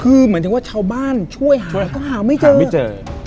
คือเหมือนจะว่าชาวบ้านช่วยหาก็หาไม่เจอ